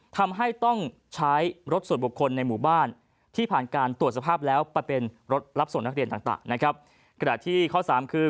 ทำให้ต้องใช้รถส่วนบุคคลในหมู่บ้านที่ผ่านการตรวจสภาพแล้วปรับเป็นรถรับส่งนักเรียนต่าง